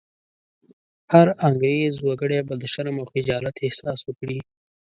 هر انګرېز وګړی به د شرم او خجالت احساس وکړي.